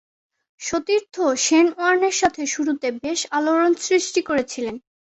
সতীর্থ শেন ওয়ার্নের সাথে শুরুতে বেশ আলোড়ন সৃষ্টি করেছিলেন।